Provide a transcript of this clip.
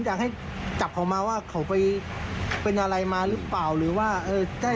ส่งแชทมาขู่ส่งรูปปืนมาขู่